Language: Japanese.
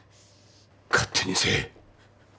勝手にせえ。